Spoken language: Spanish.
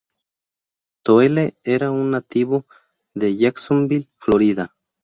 Toole era un nativo de Jacksonville, Florida.